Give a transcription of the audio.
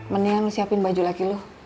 mendingan lo siapin baju laki lo